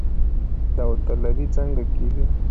داوطلبي څنګه کیږي؟